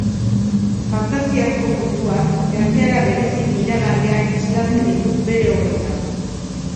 Fantasiazko munduak, gertaera berezi miragarriak islatzen ditu bere obretan.